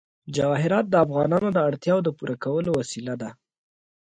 جواهرات د افغانانو د اړتیاوو د پوره کولو وسیله ده.